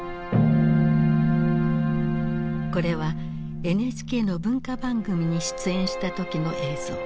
これはＮＨＫの文化番組に出演した時の映像。